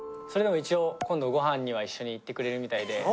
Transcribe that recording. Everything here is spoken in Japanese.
一応今度ご飯には一緒に行ってくれるみたいで。